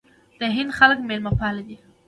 د هند خلک میلمه پال دي.